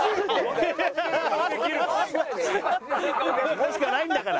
ここしかないんだから。